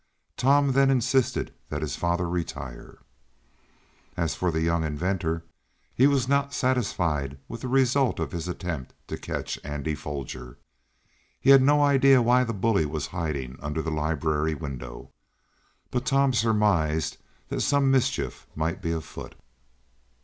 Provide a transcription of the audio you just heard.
Tom then insisted that his father retire. As for the young inventor, he was not satisfied with the result of his attempt to catch Andy Foger. He had no idea why the bully was hiding under the library window, but Tom surmised that some mischief might be afoot.